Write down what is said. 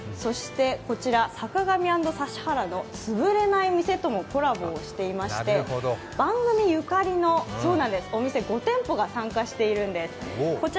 こちら「坂上＆指原のつぶれない店」ともコラボをしていまして番組ゆかりのお店５店舗が参加しているんです。